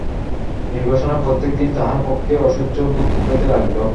নির্বাসনের প্রত্যেক দিন তাঁহার পক্ষে অসহ্য বোধ হইতে লাগিল।